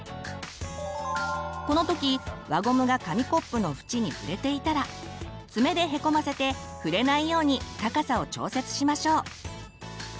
この時輪ゴムが紙コップの縁に触れていたら爪でへこませて触れないように高さを調節しましょう。